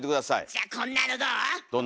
じゃこんなのどう？